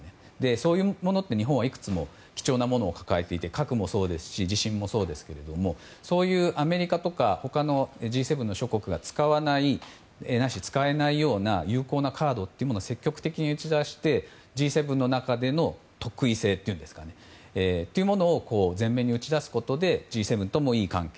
そういうものって、日本はいくつも貴重なものを抱えていて核もそうですし地震もそうですけどそういうアメリカとか他のＧ７諸国が使わないし、使えないような有効なカードを積極的に打ち出してＧ７の中での特異性というものを前面に打ち出すことでＧ７ともいい関係